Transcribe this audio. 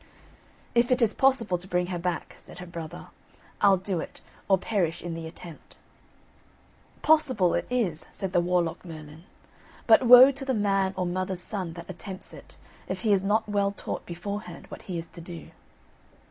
"If it is possible to bring her back," said her brother, "I'll do it, or perish in the attempt." "Possible it is," said the Warlock Merlin, "but woe to the man or mother's son that attempts it, if he is not well taught beforehand what he is to do."